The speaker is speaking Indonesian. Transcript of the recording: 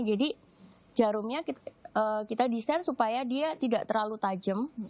jadi jarumnya kita desain supaya dia tidak terlalu tajam